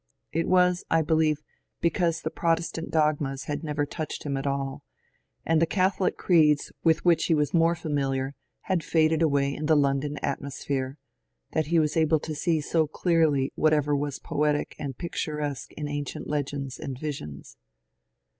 It was, I believe, because the Protestant dogmas had never touched him at all, and the Catholic creeds with which he was more familiar had faded away in the London atmosphere, that he was able to see so clearly whatever was poetic and picturesque in ancient legends and visions.